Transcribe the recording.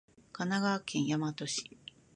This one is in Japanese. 神奈川県大和市